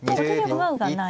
はい。